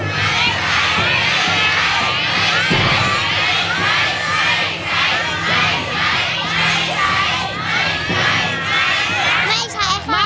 ไม่ใช่